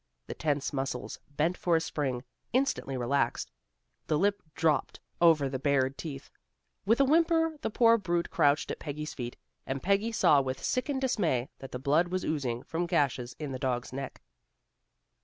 The tense muscles, bent for a spring, instantly relaxed. The lip dropped over the bared teeth. With a whimper the poor brute crouched at Peggy's feet, and Peggy saw with sickened dismay that the blood was oozing from gashes in the dog's neck.